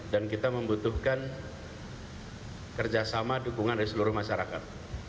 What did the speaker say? dan kita membutuhkan kerjasama dukungan dari seluruh masyarakat